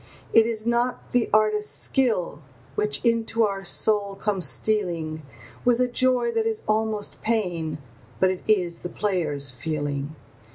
It is not the artist's skill which into our soul comes stealing With a joy that is almost pain, but it is the player's feeling.